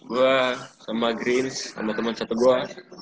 gua sama greens sama temen satu gua